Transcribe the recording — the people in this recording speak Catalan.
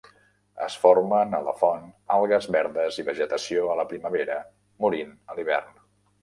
Es formen a la font algues verdes i vegetació a la primavera, morint a l'hivern.